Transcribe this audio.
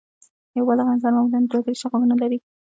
یو بالغ انسان معمولاً دوه دیرش غاښونه لري